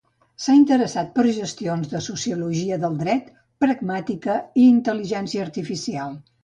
S'ha interessat per qüestions de sociologia del dret, pragmàtica i intel·ligència artificial.